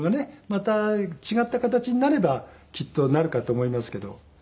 また違った形になればきっとなるかと思いますけど。